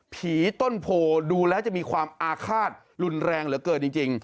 ผีต้นโพดูแล้วจะมีความอาฆาตรุนแรงเหลือเกินจริง